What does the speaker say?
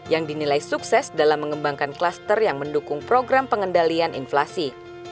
yang dinilai sukses dalam mengembangkan kluster yang mendukung program pengendalian inflasi